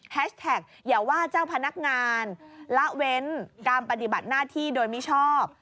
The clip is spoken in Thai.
แท็กอย่าว่าเจ้าพนักงานละเว้นการปฏิบัติหน้าที่โดยมิชอบ